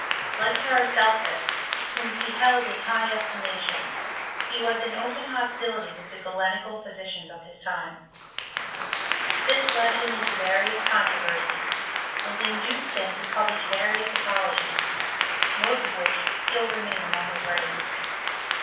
Like Paracel whom he held in high estimation, he was in open tility with the Galenical physicians of his time, led him into various controversies, and induced to publish various apologies ; most of which si main among his writings.